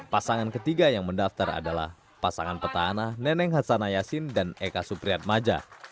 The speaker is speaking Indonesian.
pasangan ketiga yang mendaftar adalah pasangan petana neneng hasanayasin dan eka supriat majah